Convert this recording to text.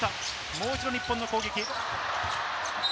もう一度、日本の攻撃。